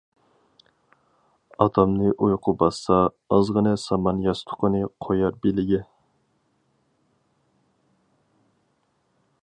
ئاتامنى ئۇيقۇ باسسا ئازغىنە سامان ياستۇقىنى قويار بېلىگە.